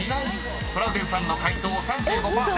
［トラウデンさんの解答３５％］